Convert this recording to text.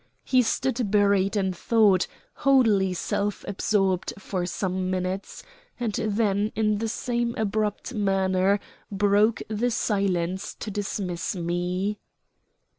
He stood buried in thought, wholly self absorbed for some minutes; and then in the same abrupt manner broke the silence to dismiss me.